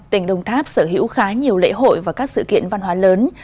tỉnh đồng tháp sở hữu khá nhiều lễ hội và các sự kiện văn hóa lớn